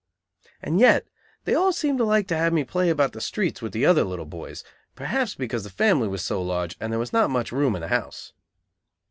And yet they all seemed to like to have me play about the streets with the other little boys, perhaps because the family was large, and there was not much room in the house.